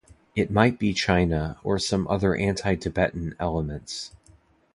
It might be China or some other anti-Tibetan elements.